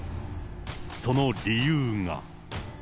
その理由が。